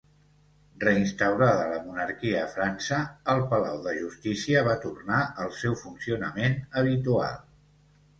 Reinstaurada la monarquia a França, el Palau de Justícia va tornar al seu funcionament habitual.